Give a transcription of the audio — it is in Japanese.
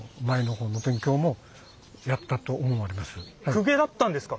公家だったんですか？